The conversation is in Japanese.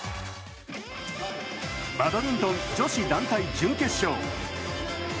バドミントン女子団体準決勝。